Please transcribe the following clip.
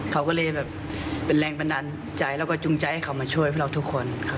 เขาก็เลยแบบเป็นแรงบันดาลใจแล้วก็จุงใจให้เขามาช่วยพวกเราทุกคน